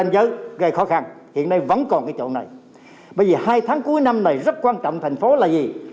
bởi vì hai tháng cuối năm này rất quan trọng thành phố là gì